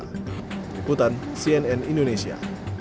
ikutan cnn indonesia